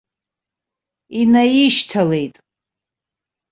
Инаишьҭалеит.